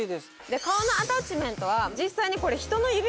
顔のアタッチメントは実際に。